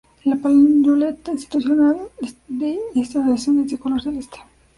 La pañoleta institucional de esta asociación es de color celeste.